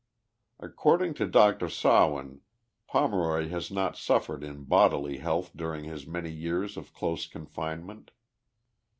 According to Dr. Sawin, Pomeroy has not suffered in bodily health during his many years of close confinement.